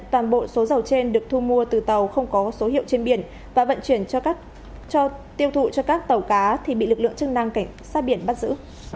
toàn bộ số dầu trên được thu mua từ tàu không có số hiệu trên biển và vận chuyển cho tiêu thụ cho các tàu cá thì bị lực lượng chức năng cảnh sát biển bắt giữ